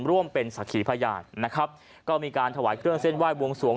ร่วมเป็นสักขีพยานนะครับก็มีการถวายเครื่องเส้นไหว้วงสวง